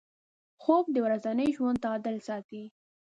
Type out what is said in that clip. خوب د ورځني ژوند تعادل ساتي